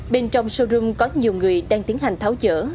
bên trong showroom có nhiều người đang tiến hành tháo chở